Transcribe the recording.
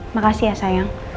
makasih ya sayang